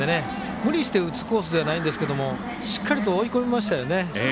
無理して打つコースじゃないんですけどしっかりと追い込みましたよね。